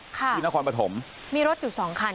ที่นครปฐมมีรถอยู่สองคัน